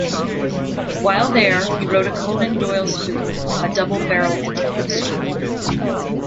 While there, he wrote a Conan Doyle spoof, "A Double-Barreled Detective Story".